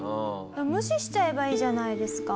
無視しちゃえばいいじゃないですか。